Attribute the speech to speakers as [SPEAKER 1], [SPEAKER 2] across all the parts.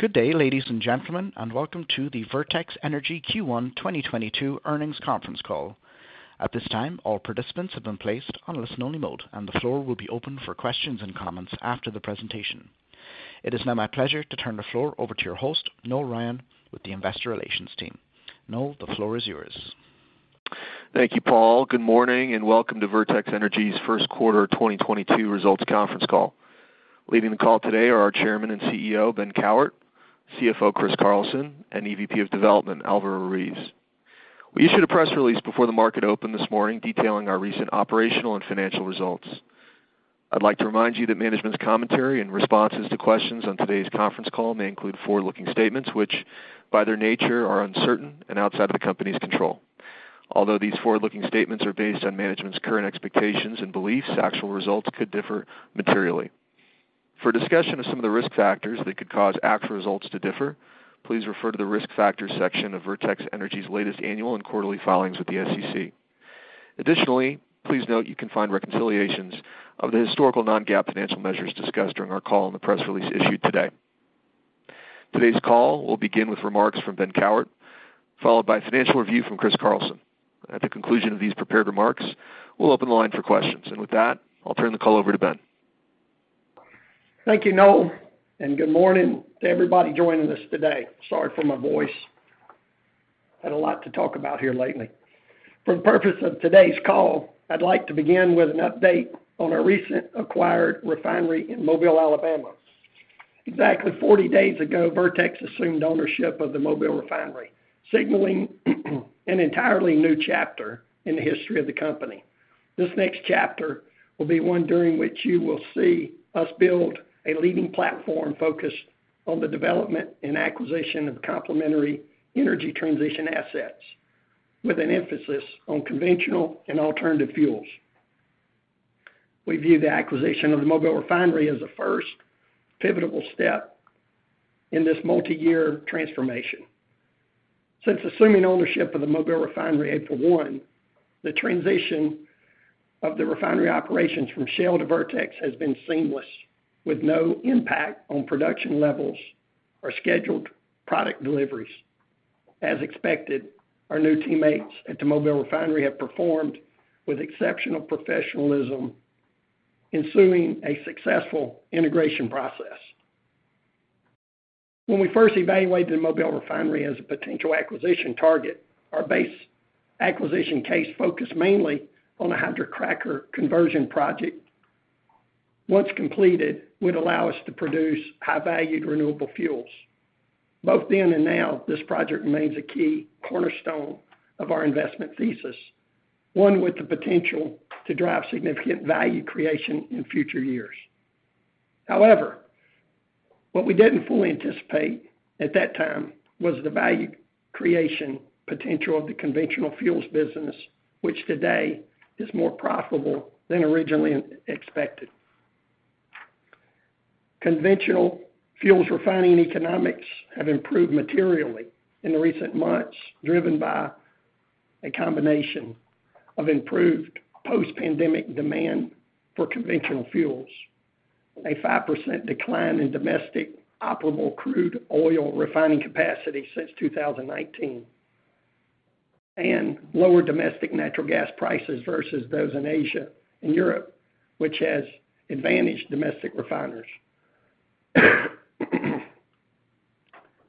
[SPEAKER 1] Good day, ladies and gentlemen, and welcome to the Vertex Energy Q1 2022 earnings conference call. At this time, all participants have been placed on listen-only mode, and the floor will be open for questions and comments after the presentation. It is now my pleasure to turn the floor over to your host, Noel Ryan with the investor relations team. Noel, the floor is yours.
[SPEAKER 2] Thank you, Paul. Good morning, and welcome to Vertex Energy's first quarter 2022 results conference call. Leading the call today are our Chairman and CEO, Ben Cowart, CFO, Chris Carlson, and EVP of Corporate Development, Alvaro Ruiz. We issued a press release before the market opened this morning detailing our recent operational and financial results. I'd like to remind you that management's commentary and responses to questions on today's conference call may include forward-looking statements, which by their nature are uncertain and outside of the company's control. Although these forward-looking statements are based on management's current expectations and beliefs, actual results could differ materially. For a discussion of some of the risk factors that could cause actual results to differ, please refer to the Risk Factors section of Vertex Energy's latest annual and quarterly filings with the SEC. Additionally, please note you can find reconciliations of the historical non-GAAP financial measures discussed during our call in the press release issued today. Today's call will begin with remarks from Ben Cowart, followed by a financial review from Chris Carlson. At the conclusion of these prepared remarks, we'll open the line for questions. With that, I'll turn the call over to Ben.
[SPEAKER 3] Thank you, Noel, and good morning to everybody joining us today. Sorry for my voice. Had a lot to talk about here lately. For the purpose of today's call, I'd like to begin with an update on our recent acquired refinery in Mobile, Alabama. Exactly 40 days ago, Vertex assumed ownership of the Mobile Refinery, signaling an entirely new chapter in the history of the company. This next chapter will be one during which you will see us build a leading platform focused on the development and acquisition of complementary energy transition assets, with an emphasis on conventional and alternative fuels. We view the acquisition of the Mobile Refinery as a first pivotable step in this multi-year transformation. Since assuming ownership of the Mobile Refinery April 1, the transition of the refinery operations from Shell to Vertex has been seamless, with no impact on production levels or scheduled product deliveries. As expected, our new teammates at the Mobile Refinery have performed with exceptional professionalism ensuring a successful integration process. When we first evaluated the Mobile Refinery as a potential acquisition target, our base acquisition case focused mainly on a hydrocracker conversion project. Once completed, would allow us to produce high-value renewable fuels. Both then and now, this project remains a key cornerstone of our investment thesis, one with the potential to drive significant value creation in future years. However, what we didn't fully anticipate at that time was the value creation potential of the conventional fuels business, which today is more profitable than originally expected. Conventional fuels refining economics have improved materially in the recent months, driven by a combination of improved post-pandemic demand for conventional fuels, a 5% decline in domestic operable crude oil refining capacity since 2019, and lower domestic natural gas prices versus those in Asia and Europe, which has advantaged domestic refineries.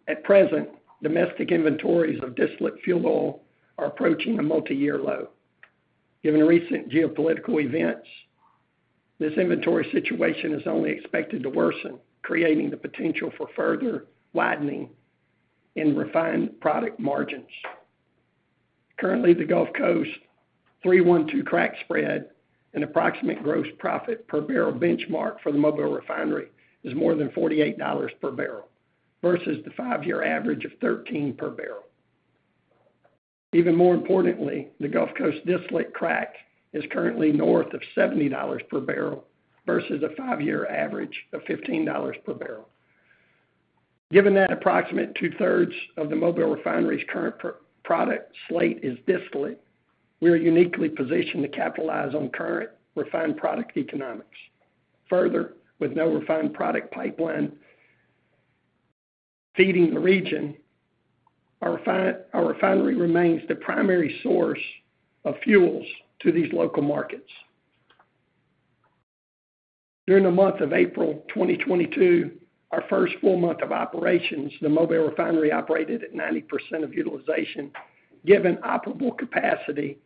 [SPEAKER 3] At present, domestic inventories of distillate fuel oil are approaching a multi-year low. Given recent geopolitical events, this inventory situation is only expected to worsen, creating the potential for further widening in refined product margins. Currently, the Gulf Coast 3-1-2 crack spread and approximate gross profit per barrel benchmark for the Mobile Refinery is more than $48 per barrel versus the five-year average of $13 per barrel. Even more importantly, the Gulf Coast distillate crack is currently north of $70 per barrel versus a five-year average of $15 per barrel. Given that approximate 2/3 of the Mobile Refinery's current product slate is distillate, we are uniquely positioned to capitalize on current refined product economics. Further, with no refined product pipeline feeding the region, our refinery remains the primary source of fuels to these local markets. During the month of April 2022, our first full month of operations, the Mobile Refinery operated at 90% utilization, given operable capacity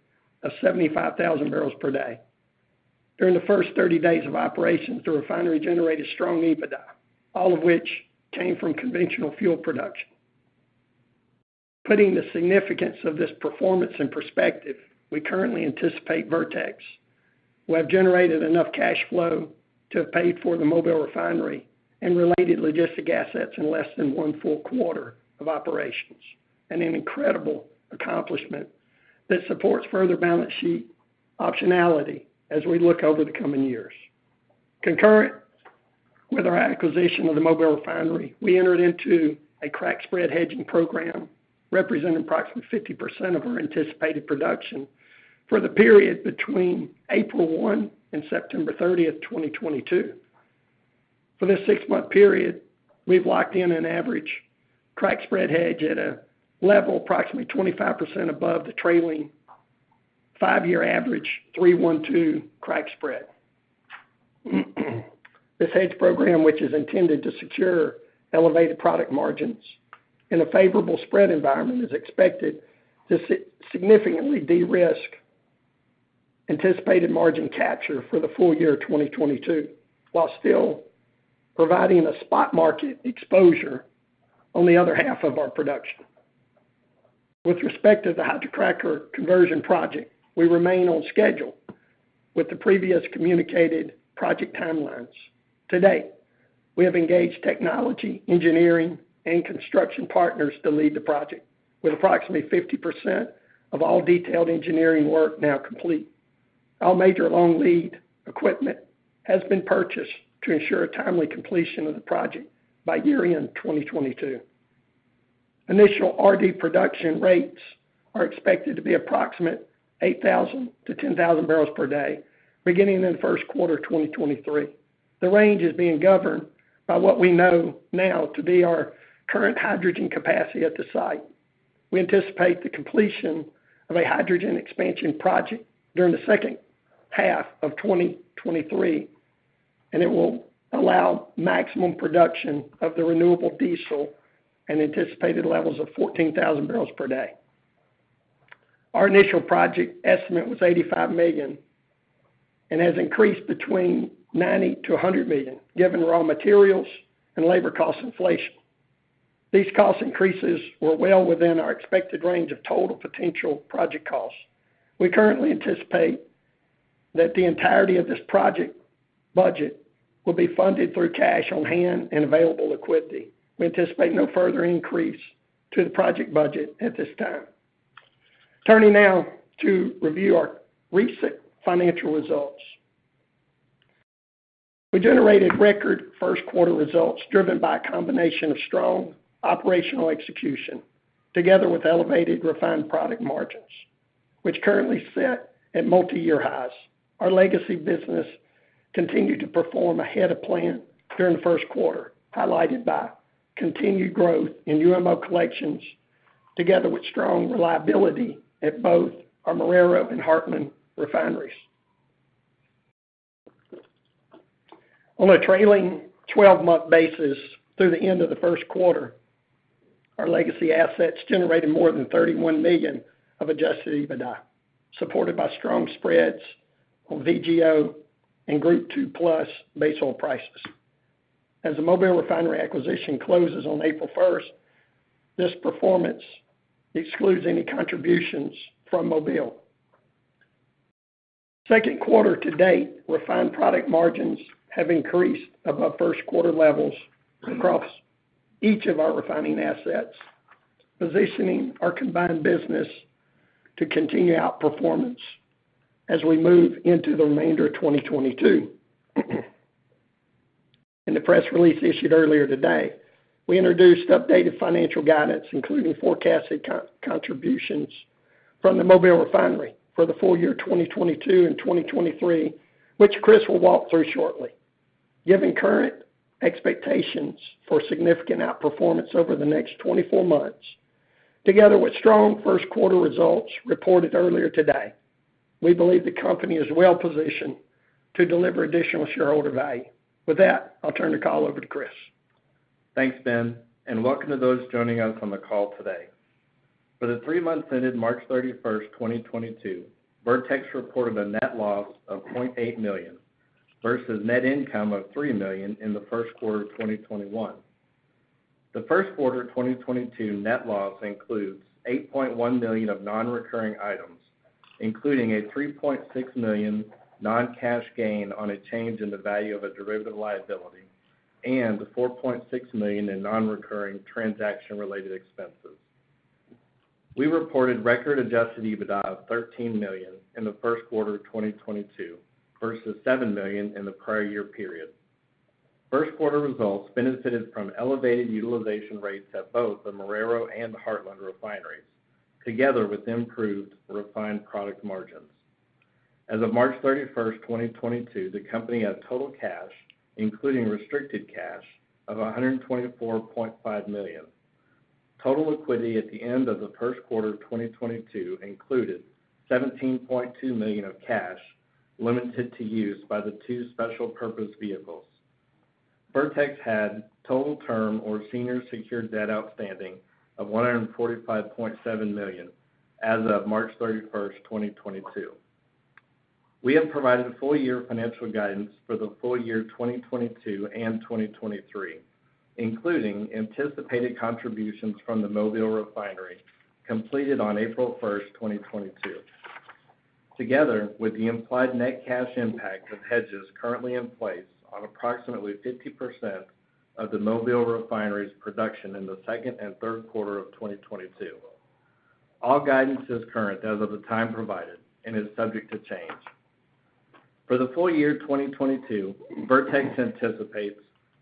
[SPEAKER 3] of 75,000 barrels per day. During the first 30 days of operations, the refinery generated strong EBITDA, all of which came from conventional fuel production. Putting the significance of this performance in perspective, we currently anticipate Vertex will have generated enough cash flow to have paid for the Mobile Refinery and related logistic assets in less than one full quarter of operations, an incredible accomplishment that supports further balance sheet optionality as we look over the coming years. Concurrent with our acquisition of the Mobile Refinery, we entered into a crack spread hedging program. Representing approximately 50% of our anticipated production for the period between April 1 and September 30, 2022. For this six-month period, we've locked in an average crack spread hedge at a level approximately 25% above the trailing five-year average 3-1-2 crack spread. This hedge program, which is intended to secure elevated product margins in a favorable spread environment, is expected to significantly de-risk anticipated margin capture for the full year 2022, while still providing a spot market exposure on the other half of our production. With respect to the hydrocracker conversion project, we remain on schedule with the previous communicated project timelines. To date, we have engaged technology, engineering, and construction partners to lead the project, with approximately 50% of all detailed engineering work now complete. All major long lead equipment has been purchased to ensure a timely completion of the project by year-end 2022. Initial RD production rates are expected to be approximately 8,000-10,000 barrels per day beginning in the first quarter 2023. The range is being governed by what we know now to be our current hydrogen capacity at the site. We anticipate the completion of a hydrogen expansion project during the second half of 2023, and it will allow maximum production of the renewable diesel and anticipated levels of 14,000 barrels per day. Our initial project estimate was $85 million and has increased between $90 million-$100 million, given raw materials and labor cost inflation. These cost increases were well within our expected range of total potential project costs. We currently anticipate that the entirety of this project budget will be funded through cash on hand and available liquidity. We anticipate no further increase to the project budget at this time. Turning now to review our recent financial results. We generated record first quarter results driven by a combination of strong operational execution together with elevated refined product margins, which currently sit at multi-year highs. Our legacy business continued to perform ahead of plan during the first quarter, highlighted by continued growth in UMO collections together with strong reliability at both our Marrero and Heartland refineries. On a trailing 12-month basis through the end of the first quarter, our legacy assets generated more than $31 million of adjusted EBITDA, supported by strong spreads on VGO and Group II+ base oil prices. As the Mobile Refinery acquisition closes on April 1st, this performance excludes any contributions from Mobile. Second quarter to date, refined product margins have increased above first quarter levels across each of our refining assets, positioning our combined business to continue outperformance as we move into the remainder of 2022. In the press release issued earlier today, we introduced updated financial guidance, including forecasted co-contributions from the Mobile Refinery for the full year 2022 and 2023, which Chris will walk through shortly. Given current expectations for significant outperformance over the next 24 months, together with strong first quarter results reported earlier today, we believe the company is well positioned to deliver additional shareholder value. With that, I'll turn the call over to Chris.
[SPEAKER 4] Thanks, Ben, and welcome to those joining us on the call today. For the three months ended March 31, 2022, Vertex reported a net loss of $0.8 million versus net income of $3 million in the first quarter of 2021. The first quarter 2022 net loss includes $8.1 million of non-recurring items, including a $3.6 million non-cash gain on a change in the value of a derivative liability and the $4.6 million in non-recurring transaction-related expenses. We reported record adjusted EBITDA of $13 million in the first quarter of 2022 versus $7 million in the prior year period. First quarter results benefited from elevated utilization rates at both the Marrero and the Heartland refineries, together with improved refined product margins. As of March 31, 2022, the company had total cash, including restricted cash, of $124.5 million. Total liquidity at the end of the first quarter of 2022 included $17.2 million of cash limited to use by the two special purpose vehicles. Vertex had total term or senior secured debt outstanding of $145.7 million as of March 31, 2022. We have provided full year financial guidance for the full year 2022 and 2023, including anticipated contributions from the Mobile Refinery completed on April 1st, 2022, together with the implied net cash impact of hedges currently in place on approximately 50% of the Mobile Refinery's production in the second and third quarter of 2022. All guidance is current as of the time provided and is subject to change. For the full year 2022, Vertex anticipates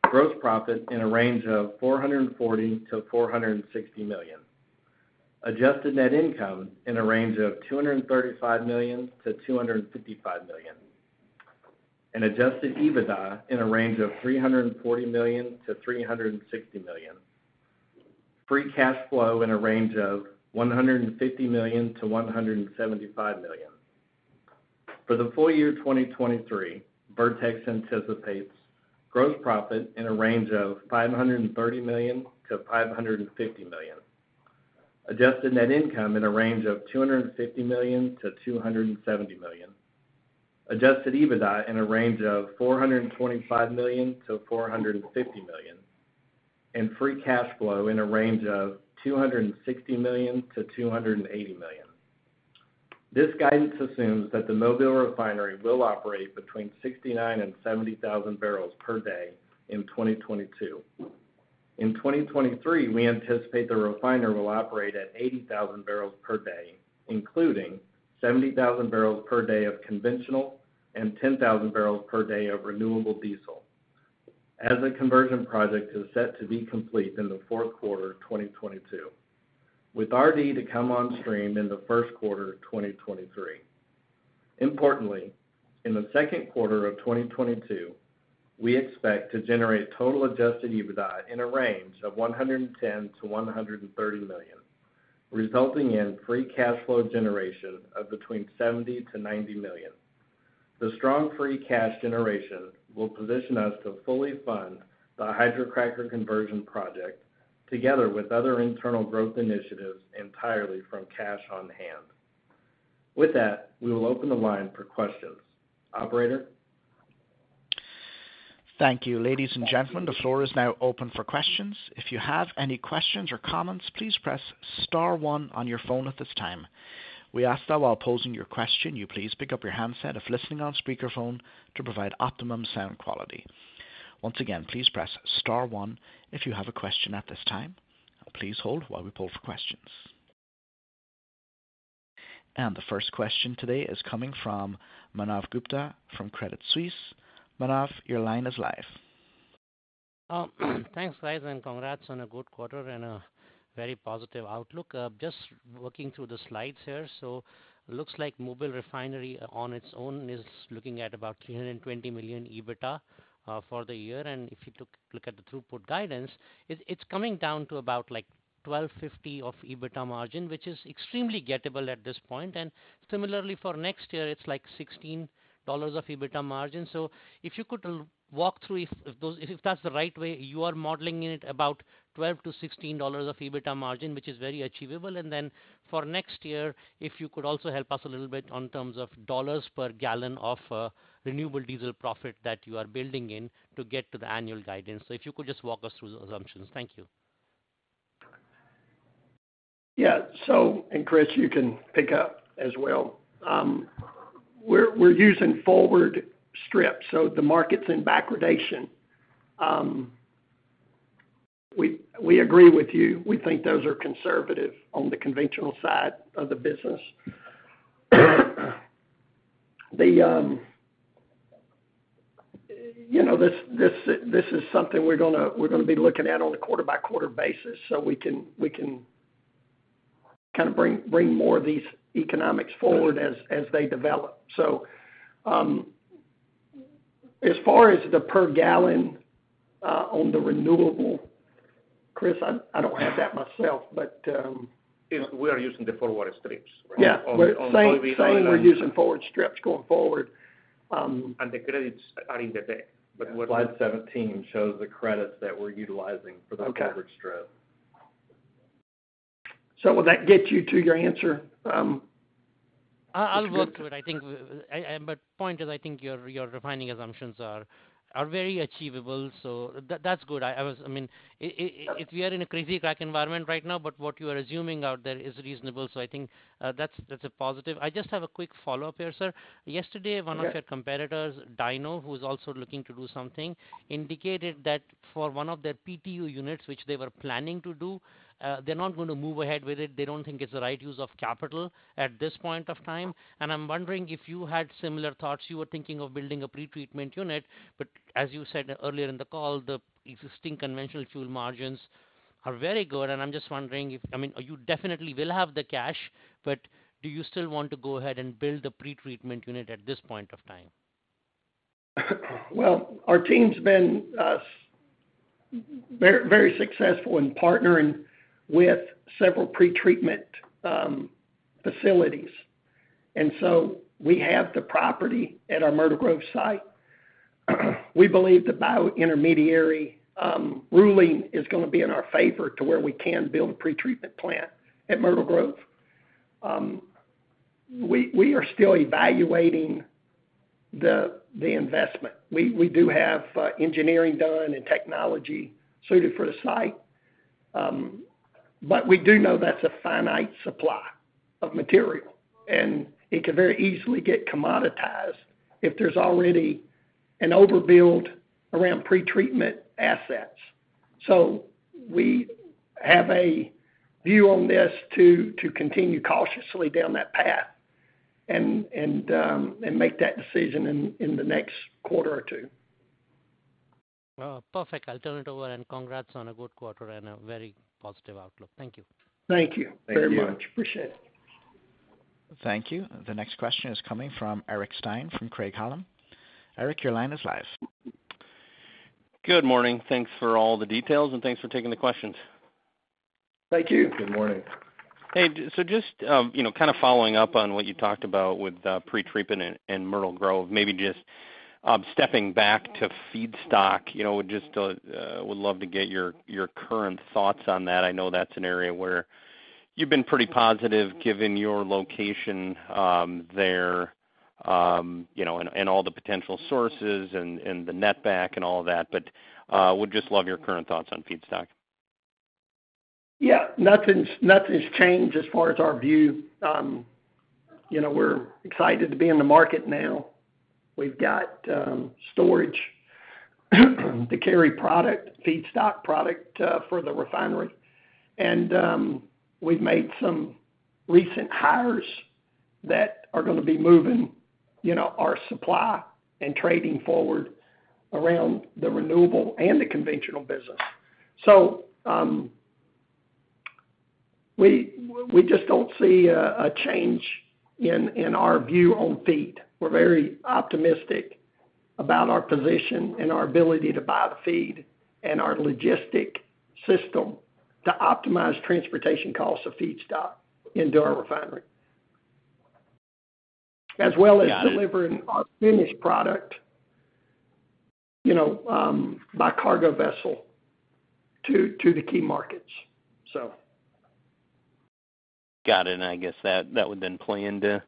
[SPEAKER 4] gross profit in a range of $440 million-$460 million. Adjusted net income in a range of $235 million-$255 million. Adjusted EBITDA in a range of $340 million-$360 million. Free cash flow in a range of $150 million-$175 million. For the full year 2023, Vertex anticipates gross profit in a range of $530 million-$550 million. Adjusted net income in a range of $250 million-$270 million. Adjusted EBITDA in a range of $425 million-$440 million. Free cash flow in a range of $260 million-$280 million. This guidance assumes that the Mobile Refinery will operate between 69,000 and 70,000 barrels per day in 2022. In 2023, we anticipate the refiner will operate at 80,000 barrels per day, including 70,000 barrels per day of conventional and 10,000 barrels per day of renewable diesel, as the conversion project is set to be complete in the fourth quarter of 2022, with RD to come on stream in the first quarter of 2023. Importantly, in the second quarter of 2022, we expect to generate total adjusted EBITDA in a range of $110 million-$130 million, resulting in free cash flow generation of between $70 million-$90 million. The strong free cash generation will position us to fully fund the hydrocracker conversion project, together with other internal growth initiatives entirely from cash on hand. With that, we will open the line for questions. Operator?
[SPEAKER 1] Thank you. Ladies and gentlemen, the floor is now open for questions. If you have any questions or comments, please press star one on your phone at this time. We ask that while posing your question, you please pick up your handset if listening on speakerphone to provide optimum sound quality. Once again, please press star one if you have a question at this time. Please hold while we poll for questions. The first question today is coming from Manav Gupta from Credit Suisse. Manav, your line is live.
[SPEAKER 5] Thanks, guys, and congrats on a good quarter and a very positive outlook. Just working through the slides here. Looks like Mobile Refinery on its own is looking at about $320 million EBITDA for the year. Look at the throughput guidance, it's coming down to about, like, $12.50 of EBITDA margin, which is extremely gettable at this point. Similarly for next year, it's like $16 of EBITDA margin. If you could walk through if that's the right way you are modeling it, about $12-$16 of EBITDA margin, which is very achievable. Then for next year, if you could also help us a little bit in terms of dollars per gallon of renewable diesel profit that you are building in to get to the annual guidance. If you could just walk us through those assumptions. Thank you.
[SPEAKER 3] Yeah. Chris, you can pick up as well. We're using forward strips, so the market's in backwardation. We agree with you. We think those are conservative on the conventional side of the business. You know, this is something we're gonna be looking at on a quarter-by-quarter basis, so we can kind of bring more of these economics forward as they develop. As far as the per gallon on the renewable, Chris, I don't have that myself, but.
[SPEAKER 5] We are using the forward strips, right?
[SPEAKER 3] Yeah. Same, same.
[SPEAKER 5] On, on-
[SPEAKER 3] We're using forward strips going forward.
[SPEAKER 5] The credits are in the deck.
[SPEAKER 4] Slide 17 shows the credits that we're utilizing for the forward strip.
[SPEAKER 3] Will that get you to your answer?
[SPEAKER 5] I'll work through it. I think, but point is, I think your refining assumptions are very achievable, so that's good. I mean, if we are in a crazy crack environment right now, but what you are assuming out there is reasonable, so I think, that's a positive. I just have a quick follow-up here, sir.
[SPEAKER 3] Yeah.
[SPEAKER 5] Yesteday, one of your competitors, Delek, who is also looking to do something, indicated that for one of their PTU units which they were planning to do, they're not gonna move ahead with it. They don't think it's the right use of capital at this point of time. I'm wondering if you had similar thoughts. You were thinking of building a pretreatment unit, but as you said earlier in the call, the existing conventional fuel margins are very good. I'm just wondering if I mean, you definitely will have the cash, but do you still want to go ahead and build a pretreatment unit at this point of time?
[SPEAKER 3] Well, our team's been very successful in partnering with several pretreatment facilities. We have the property at our Myrtle Grove site. We believe the biointermediary ruling is gonna be in our favor to where we can build a pretreatment plant at Myrtle Grove. We are still evaluating the investment. We do have engineering done and technology suited for the site. But we do know that's a finite supply of material, and it could very easily get commoditized, if there's already and overbuild around pretreatment assets. We have a view on this to continue cautiously down that path and make that decision in the next quarter or two.
[SPEAKER 5] Oh, perfect. I'll turn it over, and congrats on a good quarter and a very positive outlook. Thank you.
[SPEAKER 3] Thank you very much.
[SPEAKER 4] Thank you.
[SPEAKER 3] Appreciate it.
[SPEAKER 1] Thank you. The next question is coming from Eric Stine from Craig-Hallum. Eric, your line is live.
[SPEAKER 6] Good morning. Thanks for all the details, and thanks for taking the questions.
[SPEAKER 3] Thank you.
[SPEAKER 4] Good morning.
[SPEAKER 6] Hey, just you know, kind of following up on what you talked about with pretreatment and Myrtle Grove, maybe just stepping back to feedstock. You know, just would love to get your current thoughts on that. I know that's an area where you've been pretty positive given your location there, you know, and all the potential sources and the net back and all that. Would just love your current thoughts on feedstock.
[SPEAKER 3] Yeah. Nothing's changed as far as our view. You know, we're excited to be in the market now. We've got storage to carry product, feedstock product, for the refinery. We've made some recent hires that are gonna be moving, you know, our supply and trading forward around the renewable and the conventional business. We just don't see a change in our view on feed. We're very optimistic about our position and our ability to buy the feed and our logistic system, to optimize transportation costs of feedstock into our refinery.
[SPEAKER 6] Got it.
[SPEAKER 3] As well as delivering our finished product, you know, by cargo vessel to the key markets.
[SPEAKER 6] Got it. I guess that would then play into.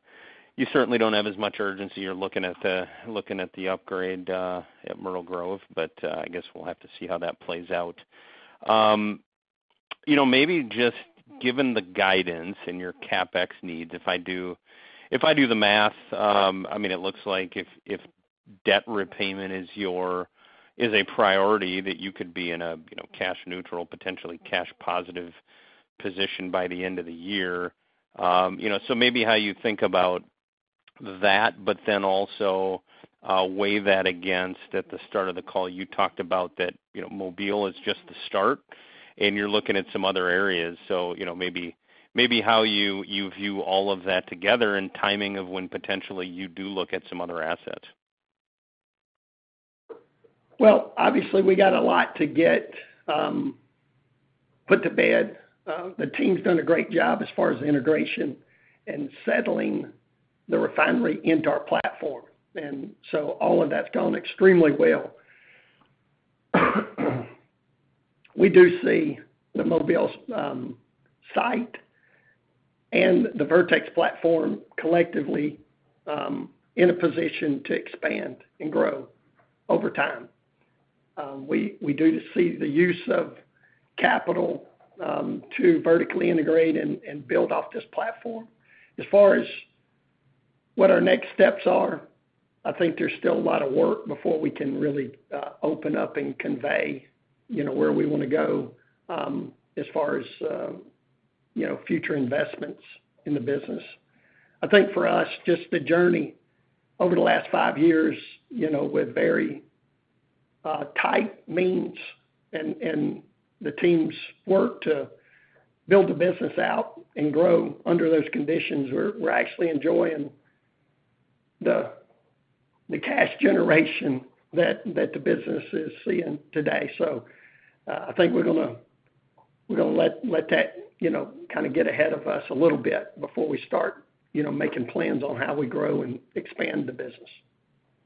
[SPEAKER 6] You certainly don't have as much urgency. You're looking at the upgrade at Myrtle Grove, but I guess we'll have to see how that plays out. You know, maybe just given the guidance in your CapEx needs, if I do the math, I mean, it looks like if debt repayment is your priority that you could be in a, you know, cash neutral, potentially cash positive position by the end of the year. You know, maybe how you think about that, but then also weigh that against. At the start of the call, you talked about that, you know, Mobile is just the start, and you're looking at some other areas. You know, maybe how you view all of that together and timing of when potentially you do look at some other assets.
[SPEAKER 3] Well, obviously, we got a lot to get put to bed. The team's done a great job as far as integration and settling the refinery into our platform. All of that's gone extremely well. We do see the Mobile site and the Vertex platform collectively, in a position to expand and grow over time. We do see the use of capital to vertically integrate and build off this platform. As far as what our next steps are, I think there's still a lot of work before we can really open up and convey, you know, where we wanna go as far as, you know, future investments in the business. I think for us, just the journey over the last five years, you know, with very tight means and the teams work to build the business out and grow under those conditions, we're actually enjoying the cash generation that the business is seeing today. I think we're gonna let that, you know, kind of get ahead of us a little bit before we start, you know, making plans on how we grow and expand the business.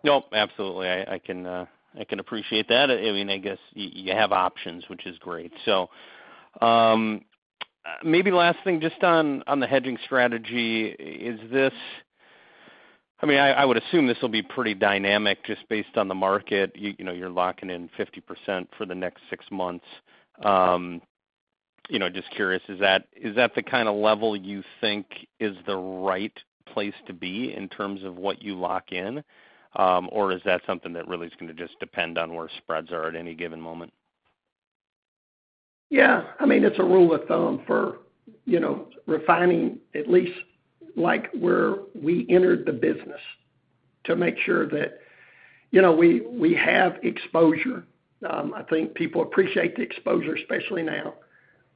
[SPEAKER 6] Nope. Absolutely. I can appreciate that. I mean, I guess you have options, which is great. Maybe last thing just on the hedging strategy. Is this? I mean, I would assume this will be pretty dynamic just based on the market. You know, you're locking in 50% for the next six months. You know, just curious, is that the kind iof level you think is the right place to be in terms of what you lock in? Or is that something that really is gonna just depend on where spreads are at any given moment?
[SPEAKER 3] Yeah. I mean, it's a rule of thumb for, you know, refining at least like where we entered the business to make sure that, you know, we have exposure. I think people appreciate the exposure, especially now.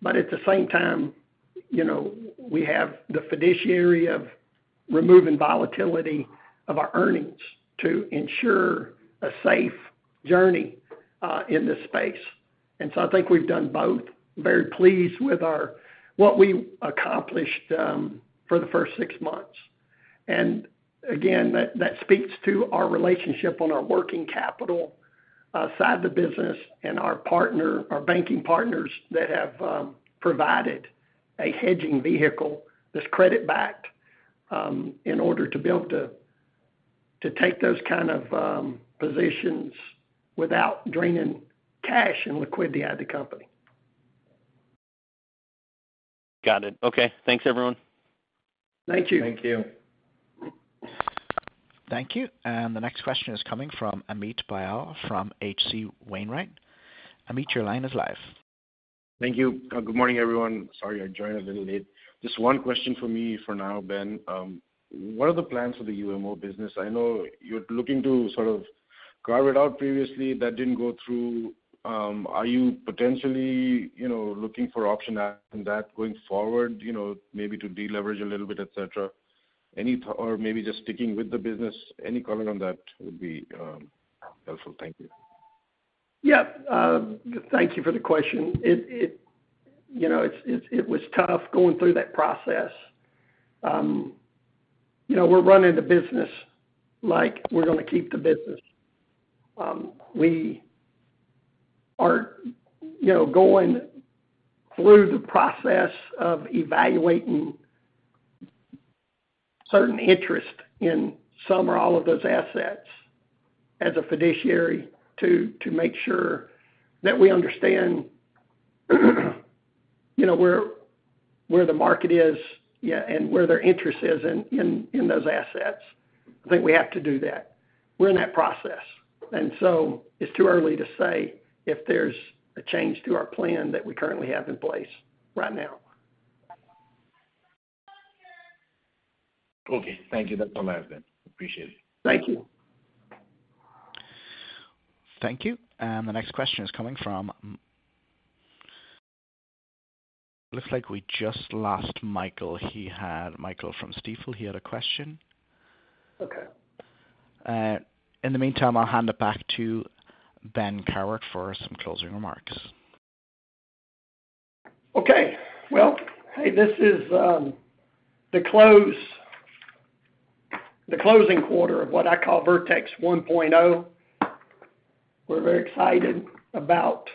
[SPEAKER 3] At the same time, you know, we have the fiduciary of removing volatility of our earnings to ensure a safe journey in this space. I think we've done both. Very pleased with what we accomplished for the first six months. Again, that speaks to our relationship on our working capital side of the business, and our banking partners that have provided a hedging vehicle that's credit-backed, in order to be able to take those kind of positions without draining cash and liquidity out of the company.
[SPEAKER 6] Got it. Okay. Thanks everyone.
[SPEAKER 3] Thank you.
[SPEAKER 4] Thank you.
[SPEAKER 1] Thank you. The next question is coming from Amit Dayal from H.C. Wainwright. Amit, your line is live.
[SPEAKER 7] Thank you. Good morning, everyone. Sorry I joined a little late. Just one question for me for now, Ben. What are the plans for the UMO business? I know you're looking to sort of carve it out previously, that didn't go through. Are you potentially, you know, looking for option at that going forward, you know, maybe to deleverage a little bit, et cetera? Or maybe just sticking with the business. Any comment on that would be helpful. Thank you.
[SPEAKER 3] Yeah. Thank you for the question. It you know, it was tough going through that process. You know, we're running the business like we're gonna keep the business. We are, you know, going through the process of evaluating certain interest in some or all of those assets as a fiduciary to make sure that we understand, you know, where the market is and where their interest is in those assets. I think we have to do that. We're in that process, and so it's too early to say if there's a change to our plan that we currently have in place right now.
[SPEAKER 7] Okay. Thank you. That's all I have then. Appreciate it.
[SPEAKER 3] Thank you.
[SPEAKER 1] Thank you. The next question is coming from. Looks like we just lost Michael. Michael from Stifel, he had a question.
[SPEAKER 3] Okay.
[SPEAKER 1] In the meantime, I'll hand it back to Ben Cowart for some closing remarks.
[SPEAKER 3] Okay. Well, hey, this is the closing quarter of what I call Vertex 1.0. We're very excited about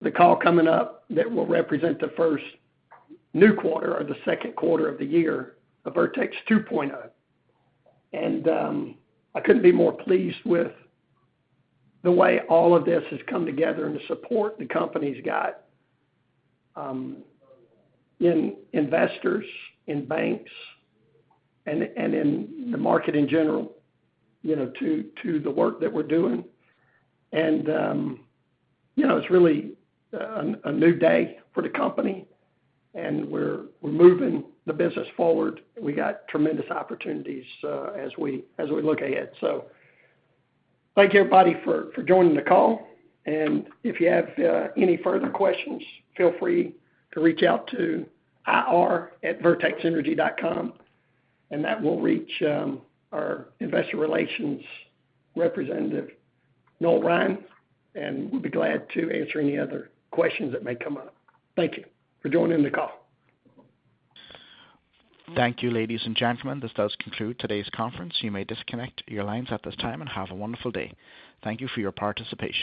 [SPEAKER 3] the call coming up that will represent the first new quarter or the second quarter of the year of Vertex 2.0. I couldn't be more pleased with the way all of this has come together and the support the company's got in investors, in banks, and in the market in general, you know, to the work that we're doing. You know, it's really a new day for the company, and we're moving the business forward. We got tremendous opportunities as we look ahead. Thank you, everybody, for joining the call. If you have any further questions, feel free to reach out to ir@vertexenergy.com, and that will reach our Investor Relations representative, Noel Ryan, and we'll be glad to answer any other questions that may come up. Thank you for joining the call.
[SPEAKER 1] Thank you, ladies and gentlemen. This does conclude today's conference. You may disconnect your lines at this time and have a wonderful day. Thank you for your participation.